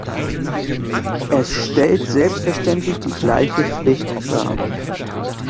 Es stellt selbstverständlich die gleiche Pflicht dar.